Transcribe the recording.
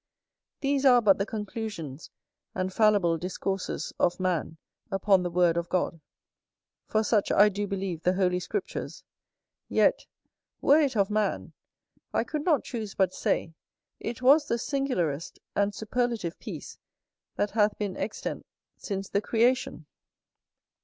These are but the conclusions and fallible discourses of man upon the word of God; for such I do believe the Holy Scriptures; yet, were it of man, I could not choose but say, it was the singularest and superlative piece that hath been extant since the creation.